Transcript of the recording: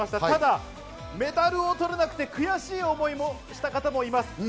ただ、メダルを取れなくて悔しい思いをした方もいます。